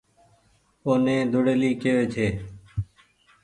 اوني ۮوڙيلي ڪيوي ڇي